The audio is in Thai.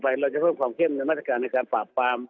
เราจะเพิ่มความเข้มในมาตรการในการปราบปราม